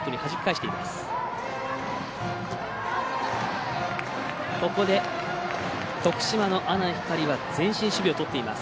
ここで徳島の阿南光は前進守備をとっています。